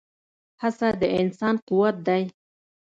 هڅه د انسان قوت دی.